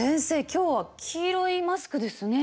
今日は黄色いマスクですね。